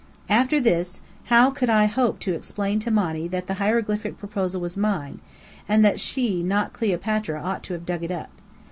After this, how could I hope to explain to Monny that the hieroglyphic proposal was mine, and that she, not Cleopatra, ought to have dug it up?